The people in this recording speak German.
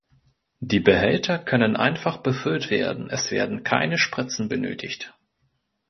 Die Behälter können einfach befüllt werden, es werden keine Spritzen benötigt.